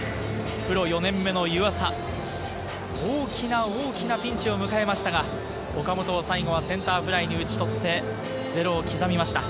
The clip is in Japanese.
プロ４年目の湯浅、大きなピンチを迎えましたが、岡本を最後、センターフライに打ち取ってゼロを刻みました。